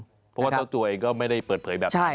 เพราะว่าเจ้าตัวเองก็ไม่ได้เปิดเผยแบบนี้